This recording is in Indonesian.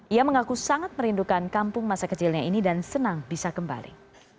ia mengaku sangat merindukan kampung masa kecilnya ini dan senang bisa kembali